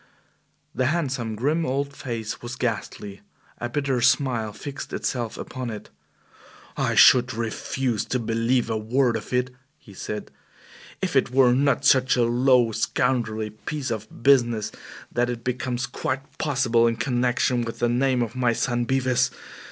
The handsome, grim old face was ghastly. A bitter smile fixed itself upon it. "I should refuse to believe a word of it," he said, "if it were not such a low, scoundrelly piece of business that it becomes quite possible in connection with the name of my son Bevis.